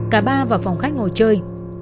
cả ba vào phòng khách ngồi chơi